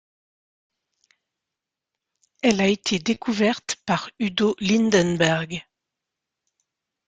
Elle a été decouverte par Udo Lindenberg.